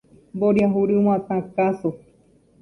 Mboriahu ryg̃uatã káso.